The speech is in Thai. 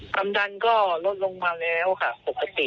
ความดันก็ลดลงมาแล้วค่ะปกติ